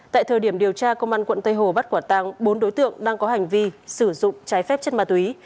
tại thời điểm điều tra công an quận tây hồ bắt quả tàng bốn đối tượng đang có hành vi sử dụng trái phép chất ma túy